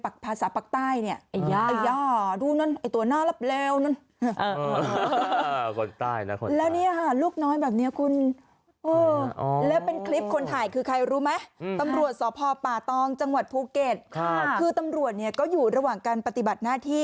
คือตำรวจก็อยู่ระหว่างการปฏิบัติหน้าที่